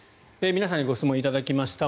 皆さんにご質問いただきました。